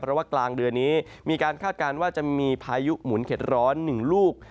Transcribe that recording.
เพราะว่ากลางเดือนนี้มีการคาดการณ์ว่าจะมีพายุหมุนเข็ดร้อน๑ลูก